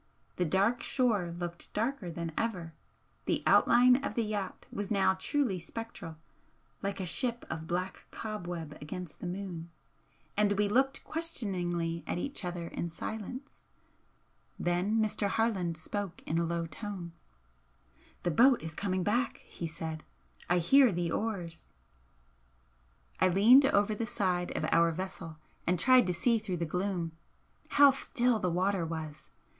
The dark shore looked darker than ever, the outline of the yacht was now truly spectral, like a ship of black cobweb against the moon, and we looked questioningly at each other in silence. Then Mr. Harland spoke in a low tone. "The boat is coming back," he said, "I hear the oars." I leaned over the side of our vessel and tried to see through the gloom. How still the water was!